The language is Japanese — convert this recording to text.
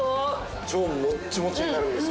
超もっちもちになるんです。